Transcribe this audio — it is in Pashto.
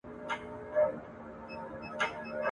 د كوشوكي ماينه ګڼل کېږي